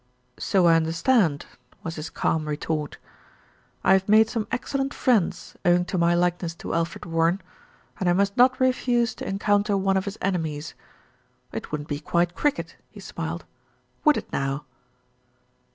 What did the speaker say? "So I understand," was his calm retort. "I have made some excellent friends owing to my likeness to LITTLE BILSTEAD ACHES WITH DRAMA 291 Alfred Warren, and I must not refuse to encounter one of his enemies. It wouldn't be quite cricket," he smiled. "Would it now?"